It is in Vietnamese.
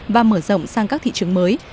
và mở rộng sang các thị trường mới